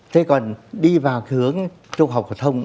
thế còn đi vào hướng trung học hợp thông